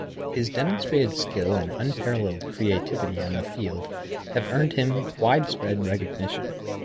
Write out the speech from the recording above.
His demonstrated skill and unparalleled creativity on the field have earned him widespread recognition.